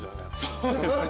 そうですね。